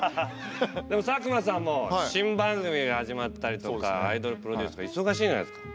でも佐久間さんも新番組が始まったりとかアイドルプロデュースとか忙しいんじゃないですか？